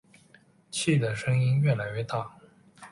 气的声音越来越大